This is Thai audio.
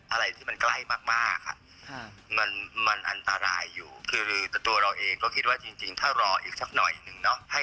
อะไรที่มันใกล้มากมันอันตรายอยู่คือตัวเราเองก็คิดว่าจริงถ้ารออีกสักหน่อยหนึ่งเนาะ